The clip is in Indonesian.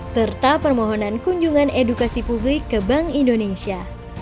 serta permohonan kunjungan edukasi publik ke bank indonesia